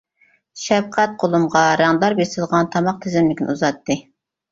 شەپقەت قولۇمغا رەڭدار بېسىلغان تاماق تىزىملىكىنى ئۇزاتتى.